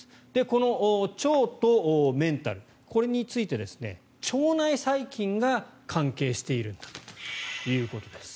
この腸とメンタルこれについて腸内細菌が関係しているんだということです。